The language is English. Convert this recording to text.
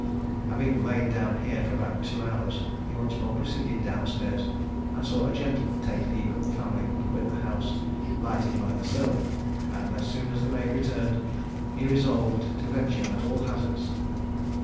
Having lain down here for about two hours, he once more proceeded down stairs, and saw a gentleman take leave of the family and quit the house, lighted by the servant; and as soon as the maid returned, he resolved to venture at all hazards.